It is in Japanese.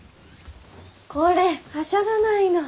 これはしゃがないの。